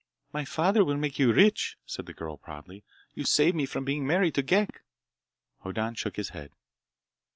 "My father will make you rich," said the girl proudly. "You saved me from being married to Ghek!" Hoddan shook his head.